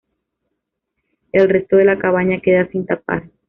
El resto de la cabaña queda sin tapar.